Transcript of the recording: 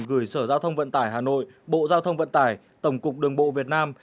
gửi sở giao thông vận tải hà nội bộ giao thông vận tải tổng cục đường bộ việt nam